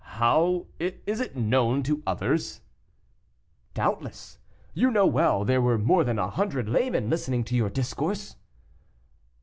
"How, is it known to others?" "Doubtless; you know well there were more than a hundred laymen listening to your discourse."